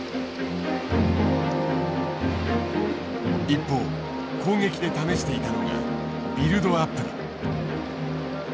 一方攻撃で試していたのがビルドアップだ。